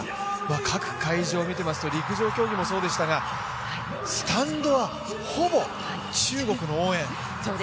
各会場見てますと陸上競技もそうでしたがスタンドはほぼ中国の応援。